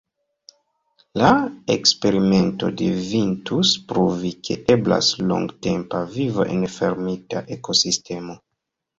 La eksperimento devintus pruvi, ke eblas longtempa vivo en fermita ekosistemo.